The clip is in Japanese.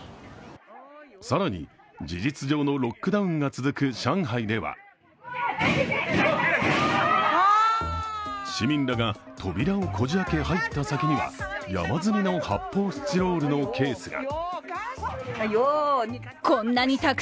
更に、事実上のロックダウンが続く上海では市民らが扉をこじ開け入った先には山積みの発泡スチロールのケースが。